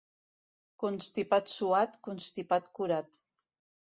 Constipat suat, constipat curat.